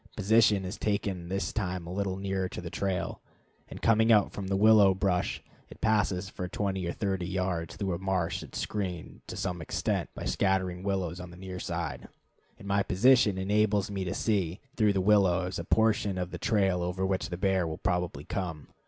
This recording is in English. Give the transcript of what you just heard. Position is taken this time a little nearer the trail. In coming out from the willow brush it passes for twenty or thirty yards through a marsh that is screened, to some extent, by scattering willows on the near side; and my position enables me to see, through these willows, a portion of the trail over which the bear will probably come.